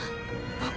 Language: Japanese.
あっ！